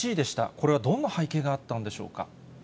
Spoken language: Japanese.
これはどんな背景があったんでしょうか。